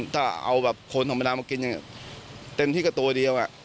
ถ้าเอาแบบคนธรรมดามากินเต็มที่ก็ตัวเดียว